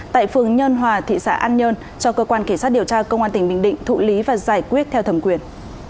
tại phường nhân hòa tp hcm cho cơ quan kể sát điều tra công an tp hcm thụ lý và giải quyết theo thẩm quyền